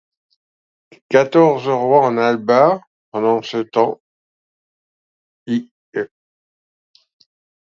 Quatorze rois en Alba pendant ce temps i.e.